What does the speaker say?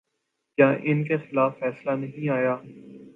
کیا ان کے خلاف فیصلہ نہیں آیا؟